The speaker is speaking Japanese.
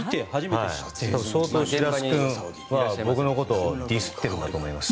相当、白洲君は僕のことをディスっているんだと思います。